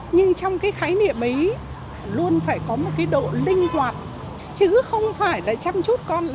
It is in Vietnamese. nhưng trong cái khái niệm ấy luôn phải có một cái độ linh hoạt chứ không phải là chăm chút con